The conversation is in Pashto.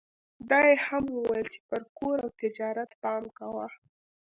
دا يې هم وويل چې پر کور او تجارت پام کوه.